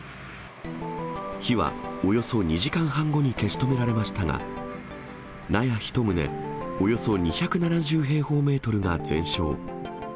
火はおよそ２時間半後に消し止められましたが、納屋１棟およそ２７０平方メートルが全焼。